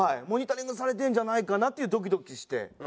モニタリングされてるんじゃないかなとドキドキして。